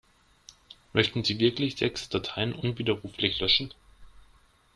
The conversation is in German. Möchten Sie wirklich sechs Dateien unwiderruflich löschen?